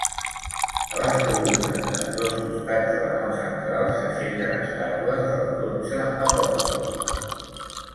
A les columnes d'ambdós costats de la nau central s'aixequen estàtues dels dotze apòstols.